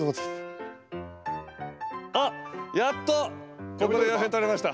あっやっとここで読み取れました。